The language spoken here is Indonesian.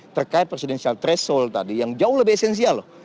terkait presidensial threshold tadi yang jauh lebih esensial loh